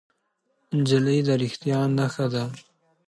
نجلۍ د رښتیا نښه ده.